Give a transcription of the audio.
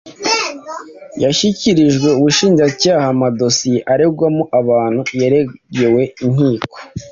yashyikirijwe ubushinjacyaha amadosiye aregwamo abantu yaregewe inkiko